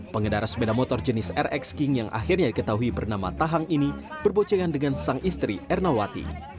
pengendara sepeda motor jenis rx king yang akhirnya diketahui bernama tahang ini berbocongan dengan sang istri ernawati